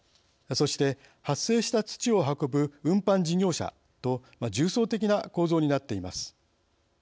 そして発生した土を運ぶ運搬事業者と重層的な構造になっています。